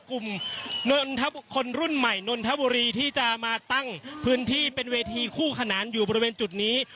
นนทบุคคลรุ่นใหม่นนทบุรีที่จะมาตั้งพื้นที่เป็นเวทีคู่ขนานอยู่บริเวณจุดนี้